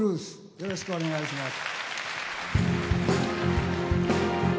よろしくお願いします。